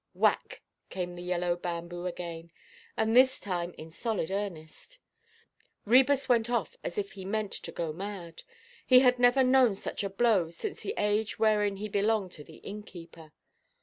Whack, came the yellow bamboo again, and this time in solid earnest; Ræbus went off as if he meant to go mad. He had never known such a blow since the age wherein he belonged to the innkeeper.